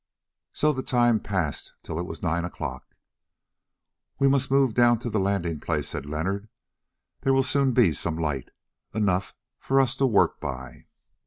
So the time passed till it was nine o'clock. "We must move down to the landing place," said Leonard; "there will soon be some light, enough for us to work by."